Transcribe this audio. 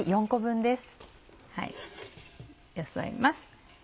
よそいます。